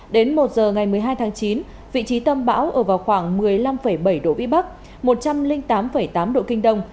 đến một giờ ngày một mươi hai tháng chín vị trí tâm bão ở vào khoảng một mươi năm bảy độ vĩ bắc một trăm linh tám tám độ kinh đông